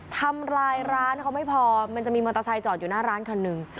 ทำร้ายร้านเขาไม่พอมันจะมีมอเตอร์ไซค์จอดอยู่หน้าร้านคันหนึ่ง